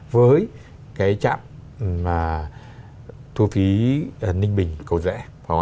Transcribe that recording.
với cái trạm thu phí ninh bình cầu rẽ